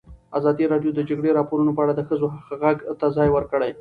ازادي راډیو د د جګړې راپورونه په اړه د ښځو غږ ته ځای ورکړی.